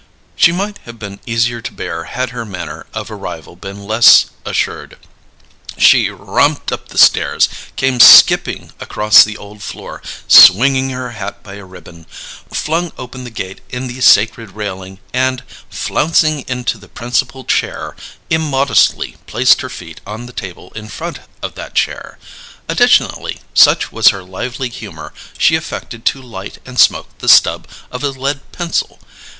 She might have been easier to bear had her manner of arrival been less assured. She romped up the stairs, came skipping across the old floor, swinging her hat by a ribbon, flung open the gate in the sacred railing, and, flouncing into the principal chair, immodestly placed her feet on the table in front of that chair. Additionally, such was her lively humour, she affected to light and smoke the stub of a lead pencil.